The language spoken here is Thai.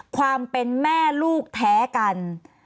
ความเป็นแม่ลูกแท้กัน